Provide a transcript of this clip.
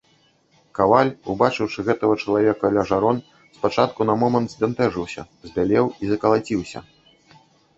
Каваль, убачыўшы гэтага чалавека ля жарон, спачатку на момант збянтэжыўся, збялеў і закалаціўся.